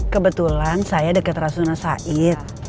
kebetulan saya dekat rasuna said